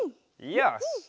よし！